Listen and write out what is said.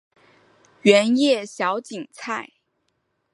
圆叶小堇菜